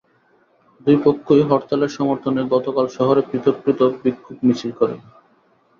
দুই পক্ষই হরতালের সমর্থনে গতকাল শহরে পৃথক পৃথক বিক্ষোভ মিছিল করে।